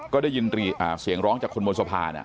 ก็ได้ยินเสียงร้องจากคนบนสะพาน